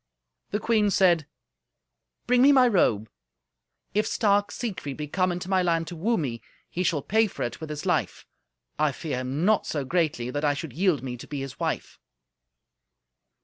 The queen said, "Bring me my robe. If stark Siegfried be come into my land to woo me, he shall pay for it with his life. I fear him not so greatly that I should yield me to be his wife."